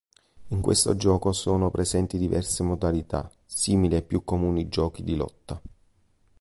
In questo gioco sono presenti diverse modalità simili ai più comuni giochi di lotta.